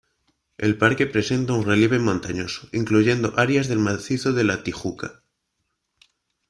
El parque presenta un relieve montañoso, incluyendo áreas del macizo de la Tijuca.